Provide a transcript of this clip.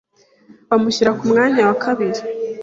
bamushyira ku mwanya wa kabiri